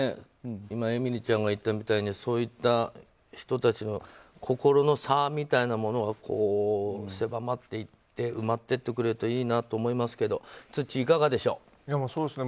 今えみりちゃんが言ったみたいにそういった人たちの心の差みたいなものが狭まっていって埋まっていってくれるといいなと思いますけどツッチー、いかがでしょう？